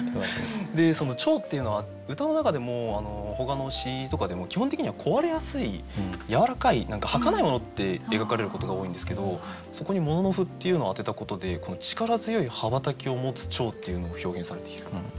蝶っていうのは歌の中でもほかの詩とかでも基本的には壊れやすいやわらかい何かはかないものって描かれることが多いんですけどそこに「もののふ」っていうのを当てたことで力強い羽ばたきを持つ蝶っていうのを表現されている。